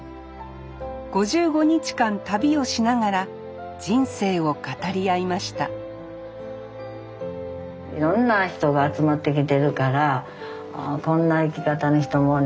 ５５日間旅をしながら人生を語り合いましたいろんな人が集まってきてるからこんな生き方の人もおるんやな